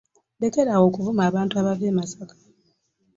Lekera awo okuvuma abantu abava e Masaka.